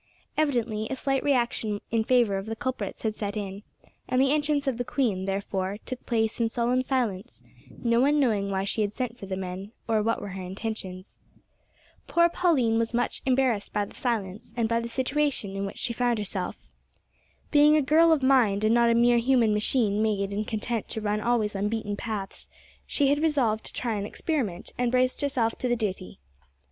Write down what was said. Evidently a slight reaction in favour of the culprits had set in, and the entrance of the queen, therefore, took place in solemn silence, no one knowing why she had sent for the men or what were her intentions. Poor Pauline was much embarrassed by the silence, and by the situation, in which she found herself. Being a girl of mind, and not a mere human machine made and content to run always on beaten paths, she had resolved to try an experiment, and braced herself to the duty.